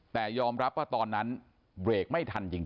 แต่ยอมรับว่าตอนนั้นเบรกไม่ทันจริง